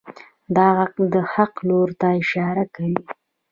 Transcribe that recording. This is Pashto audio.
دا غږ د حق لور ته اشاره کوي.